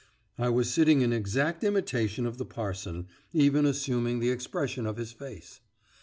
I was sitting in exact imitation of the parson, even assuming the expression of his face.